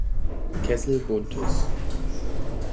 Kessel Buntes.